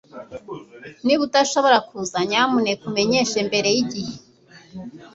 Niba udashobora kuza nyamuneka umenyeshe mbere yigihe